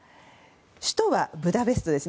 首都はブダペストです。